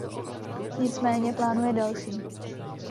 Nicméně plánuje další.